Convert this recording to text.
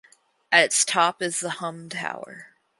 At its top is the Hum Tower.